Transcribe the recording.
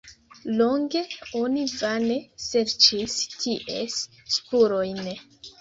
Longe oni vane serĉis ties spurojn.